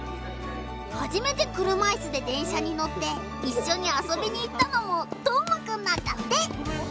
はじめて車いすで電車に乗っていっしょに遊びに行ったのも斗真くんなんだって。